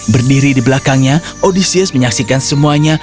berdiri di belakangnya odysius menyaksikan semuanya